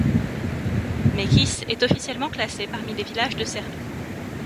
Mekiš est officiellement classé parmi les villages de Serbie.